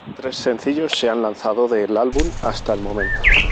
Tres sencillos se han lanzado del álbum hasta el momento.